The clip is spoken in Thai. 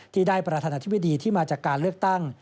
ที่ได้ประธานาธิบดีที่มาจากการเลือกตั้ง